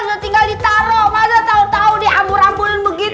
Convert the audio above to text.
udah tinggal ditaruh masa tahun tahun diambur ambulin begitu